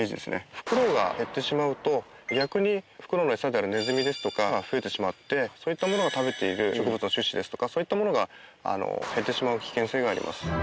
フクロウが減ってしまうと逆にフクロウの餌であるネズミですとか増えてしまってそういったものが食べている植物の種子ですとかそういったものが減ってしまう危険性があります。